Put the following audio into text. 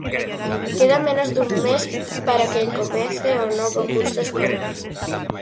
Queda menos dun mes para que comece o novo curso escolar.